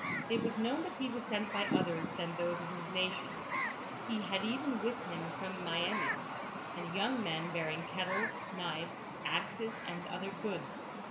It was known that he was sent by others than those of his nation ; he had even with him some Miamis, and young men bearing kettles, knives, axes, and other goods.